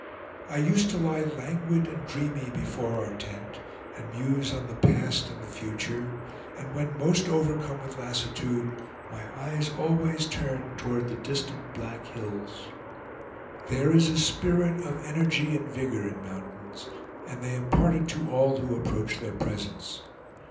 I used to lie languid and dreamy before our tent and muse on the past and the future, and when most overcome with lassitude, my eyes turned always toward the distant Black Hills. There is a spirit of energy and vigor in mountains, and they impart it to all who approach their presence.